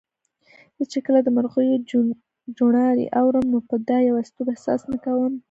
زه چي کله د مرغیو چوڼاری اورم، نو به د یوازیتوب احساس نه کوم